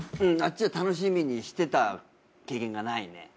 うんあっちが楽しみにしてた経験がないね。